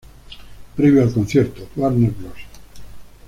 Previo al concierto, Warner Bros.